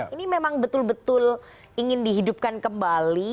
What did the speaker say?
ini memang betul betul ingin dihidupkan kembali